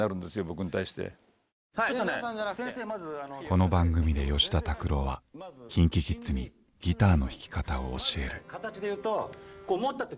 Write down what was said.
この番組で吉田拓郎はＫｉｎＫｉＫｉｄｓにギターの弾き方を教える。